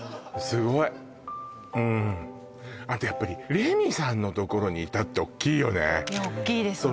すごいうんあとやっぱりレミさんのところにいたって大きいよね大きいです